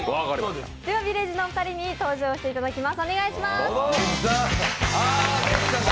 ではビレッジのお二人に登場していただきます。